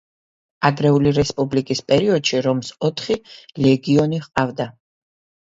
ადრეული რესპუბლიკის პერიოდში რომს ოთხი ლეგიონი ჰყავდა.